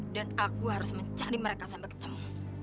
dan aku harus mencari mereka sampai ketemu